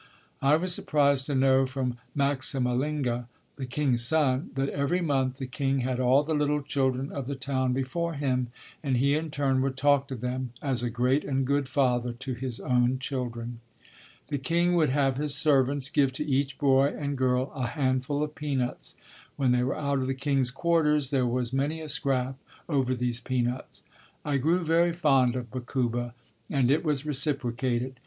I was surprised to know from Maxamalinge, the king's son, that every month the king had all the little children of the town before him and he in turn would talk to them, as a great and good father to his own children. The king would have his servants give to each boy and girl a handful of peanuts. When they were out of the king's quarters there was many a scrap over these peanuts. I grew very fond of Bakuba and it was reciprocated.